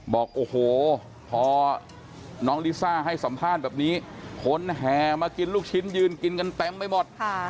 บอกโอ้โหพอน้องลิซ่าให้สัมภาษณ์แบบนี้คนแห่มากินลูกชิ้นยืนกินกันเต็มไปหมด